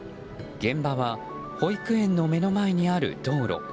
現場は保育園の目の前にある道路。